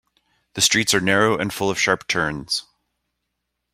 The streets are narrow and full of sharp turns.